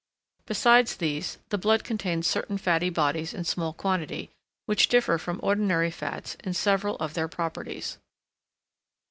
Besides these, the blood contains certain fatty bodies in small quantity, which differ from ordinary fats in several of their properties.